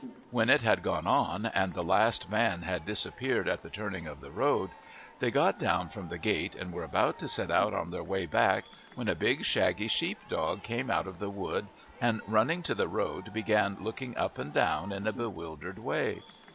When it had gone on and the last van had disappeared at the turning of the road, they got down from the gate and were about to set out on their way back when a big, shaggy sheepdog came out of the wood and running to the road began looking up and down in a bewildered way.